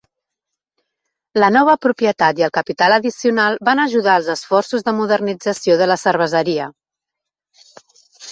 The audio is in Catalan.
La nova propietat i el capital addicional van ajudar als esforços de modernització de la cerveseria.